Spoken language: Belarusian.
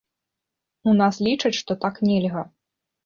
У нас лічаць, што так нельга.